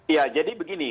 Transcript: ya jadi begini